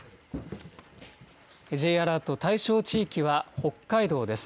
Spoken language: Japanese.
Ｊアラート対象地域は北海道です。